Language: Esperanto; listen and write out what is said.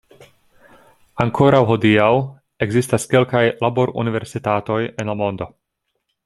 Ankoraŭ hodiaŭ ekzistas kelkaj labor-universitatoj en la mondo.